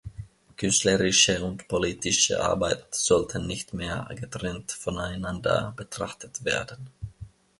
Künstlerische und politische Arbeit sollten nicht mehr getrennt voneinander betrachtet werden.